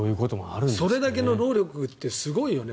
それだけの労力ってすごいよね。